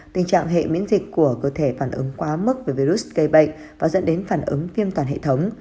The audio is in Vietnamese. tình trạng hệ miễn dịch của cơ thể phản ứng quá mức về virus gây bệnh và dẫn đến phản ứng viêm toàn hệ thống